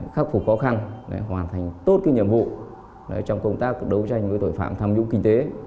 khắc phục khó khăn để hoàn thành tốt nhiệm vụ trong công tác đấu tranh với tội phạm tham nhũng kinh tế